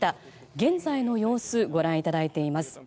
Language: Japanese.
現在の様子ご覧いただいています。